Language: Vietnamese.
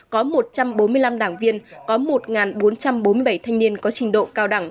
có một trăm bốn mươi năm đảng viên có một bốn trăm bốn mươi bảy thanh niên có trình độ cao đẳng